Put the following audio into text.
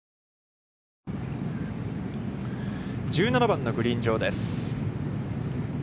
１７番のグリーン上です。